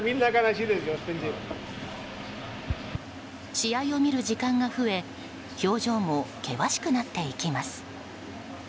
試合を見る時間が増え表情も険しくなっていきます。